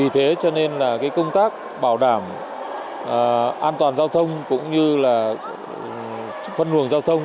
thế cho nên là công tác bảo đảm an toàn giao thông cũng như là phân luồng giao thông